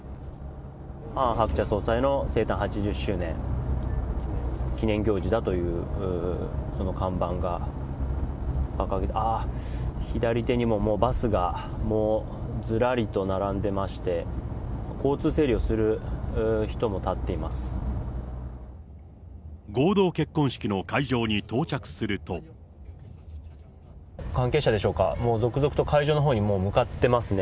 ハン・ハクチャ総裁の生誕８０周年記念行事だという、その看板が掲げて、ああ、左手にももうバスがもうずらりと並んでまして、合同結婚式の会場に到着する関係者でしょうか、もう続々と会場のほうに向かってますね。